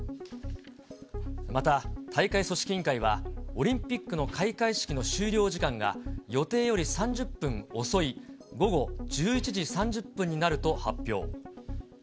また、大会組織委員会は、オリンピックの開会式の終了時間が、予定より３０分遅い午後１１時３０分になると発表。